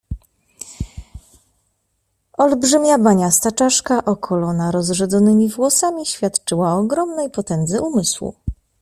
"Olbrzymia, baniasta czaszka, okolona rozrzedzonymi włosami, świadczyła o ogromnej potędze umysłu."